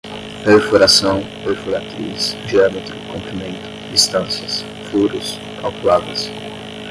perfuração, perfuratriz, diâmetro, comprimento, distâncias, furos, calculadas